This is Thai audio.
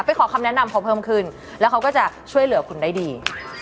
ขอคำแนะนำเขาเพิ่มขึ้นแล้วเขาก็จะช่วยเหลือคุณได้ดี